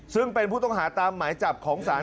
ซึ่งเป็นผู้ต้องหาตามหมายจับของศาล